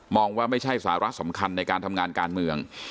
ว่าไม่ใช่สาระสำคัญในการทำงานการเมือง